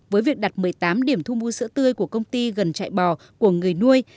với việc đặt một mươi tám điểm thu mua sữa tươi của công ty gần chạy bò của người nuôi